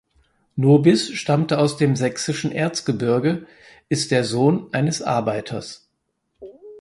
Nobis stammte aus dem sächsischen Erzgebirge ist der Sohn eines Arbeiters.